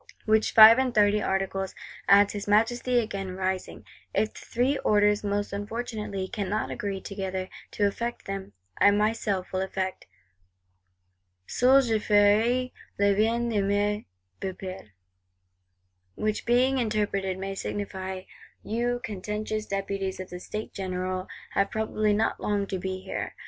Which Five and Thirty Articles, adds his Majesty again rising, if the Three Orders most unfortunately cannot agree together to effect them, I myself will effect: 'seul je ferai le bien de mes peuples,'—which being interpreted may signify, You, contentious Deputies of the States General, have probably not long to be here!